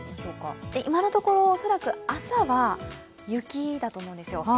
今のところ、恐らく朝は雪だと思うんですよ。